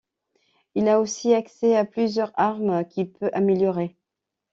Il a aussi accès à plusieurs armes qu'il peut améliorer.